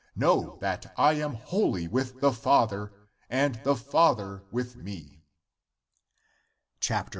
Know that I am wholly with the Father, and the Father with me. loi.